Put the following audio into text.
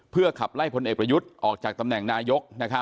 เพื่อขับไล่พลเอกประยุทธ์ออกจากตำแหน่งนายก